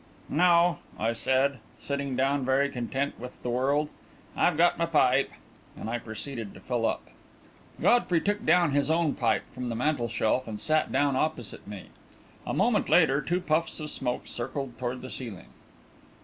"No," I said, sitting down very content with the world, "I've got my pipe," and I proceeded to fill up. Godfrey took down his own pipe from the mantelshelf and sat down opposite me. A moment later, two puffs of smoke circled toward the ceiling.